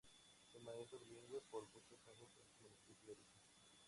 Fue maestro bilingüe por muchos años en su municipio de origen.